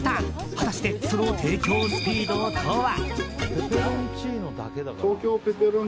果たしてその提供スピードとは？